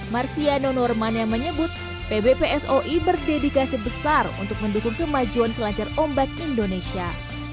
marsiano norman yang menyebut pbpsoi berdedikasi besar untuk mendukung kemajuan selancar ombak indonesia